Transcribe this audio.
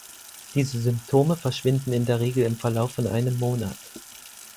Diese Symptome verschwinden in der Regel im Verlauf von einem Monat.